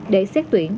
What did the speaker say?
để xét tuyển